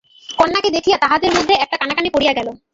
কন্যাকে দেখিয়া তাঁহাদের মধ্যে একটা কানাকানি পড়িয়া গেল।